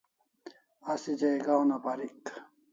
Asi jaiga una parik